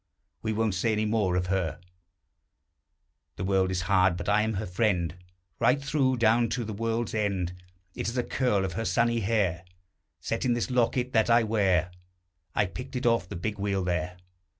We won't say any more of her; The world is hard. But I'm her friend, Right through down to the world's end. It is a curl of her sunny hair Set in this locket that I wear; I picked it off the big wheel there.